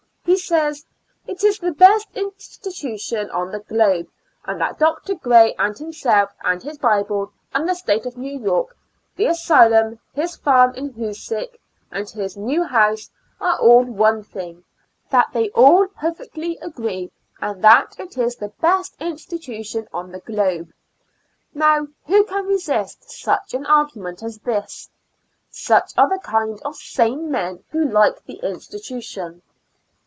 He says: " It is the best institution on the globe, and that Dr. Gray and himself and his Bible, and the State of New York, the asylum, his farm in Hoosick, and his new house, are all one thing; that they all perfectly agree, and that it is the best institution on the globe." Now who can resist such an argu ment as this? Such are the kind of sane men who like the institution.